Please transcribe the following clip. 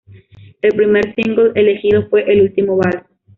El primer single elegido fue "El último vals".